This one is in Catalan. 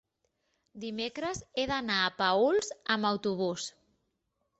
dimecres he d'anar a Paüls amb autobús.